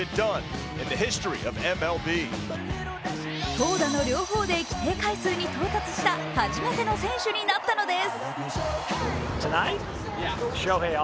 投打の両方で規定回数に到達した初めての選手になったのです。